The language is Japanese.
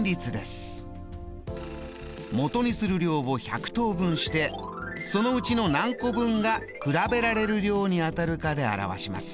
もとにする量を１００等分してそのうちの何個分が比べられる量に当たるかで表します。